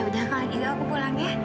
ya udah kalau gitu aku pulang ya